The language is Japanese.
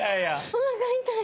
おなか痛い。